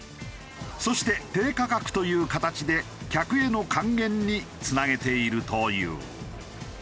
そして低価格という形で客への還元につなげているという。